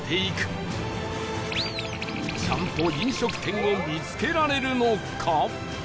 ちゃんと飲食店を見つけられるのか？